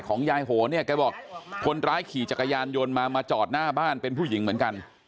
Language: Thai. ยายโหเนี่ยแกบอกคนร้ายขี่จักรยานยนต์มามาจอดหน้าบ้านเป็นผู้หญิงเหมือนกัน